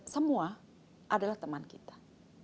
semua adalah teman kita